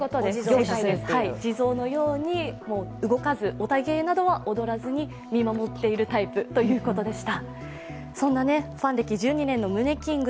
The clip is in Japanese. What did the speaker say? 地蔵のように動かず、ヲタ芸などは踊らずに見守っているタイプということでした。